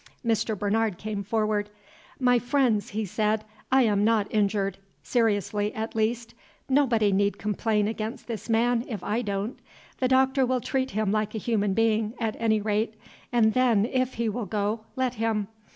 Mr. Bernard came forward. "My friends," he said, "I am not injured, seriously, at least. Nobody need complain against this man, if I don't. The Doctor will treat him like a human being, at any rate; and then, if he will go, let him.